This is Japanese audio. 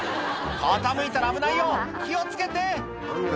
傾いたら危ないよ気を付けて！